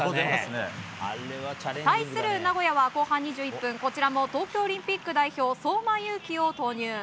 対する名古屋は後半２１分こちらも東京オリンピック代表相馬勇紀を投入。